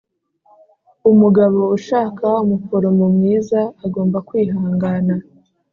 umugabo ushaka umuforomo mwiza, agomba kwihangana